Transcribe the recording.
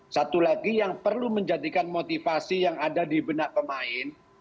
satu lagi yang perlu menjadikan motivasi yang ada di benak pemain